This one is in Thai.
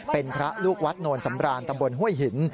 เป็นพระลูกวัดโนนสำรานตำบลห้วยหิน